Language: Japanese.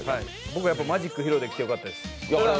僕マジック披露できてよかったです。